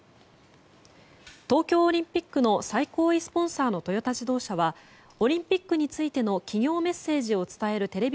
東京オリンピックの最高位スポンサーのトヨタ自動車はオリンピックについての企業メッセージを伝えるテレビ